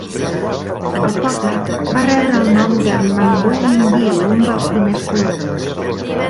El poble va rebre el nom per Manwaring Beal, un dels primers colons.